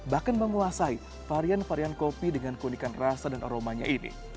bahkan menguasai varian varian kopi dengan keunikan rasa dan aromanya ini